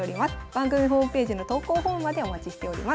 番組ホームページの投稿フォームまでお待ちしております。